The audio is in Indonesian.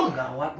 aduh pun gawat nih